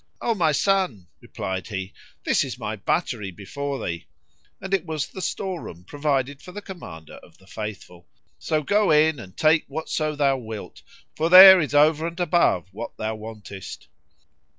"O my son," replied he, "this is my buttery before thee" (and it was the store room provided for the Commander of the Faithful); "so go in, and take whatso thou wilt, for there is over and above what thou wantest."